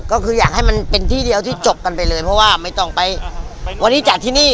ก็คืออยากให้มันเป็นที่เดียวที่จบกันไปเลยเพราะว่าไม่ต้องไปวันนี้จัดที่นี่